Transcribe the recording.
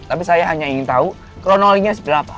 tapi saya hanya ingin tahu kronologinya seperti apa